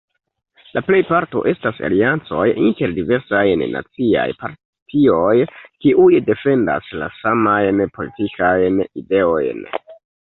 La plejparto estas aliancoj inter diversajn naciaj partioj, kiuj defendas la samajn politikajn ideojn.